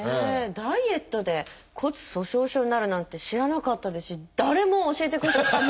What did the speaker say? ダイエットで骨粗しょう症になるなんて知らなかったですし誰も教えてくれなかった。